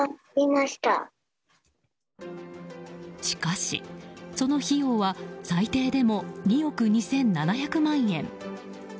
しかし、その費用は最低でも２億２７００万円。